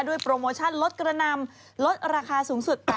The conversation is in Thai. โปรโมชั่นลดกระนำลดราคาสูงสุด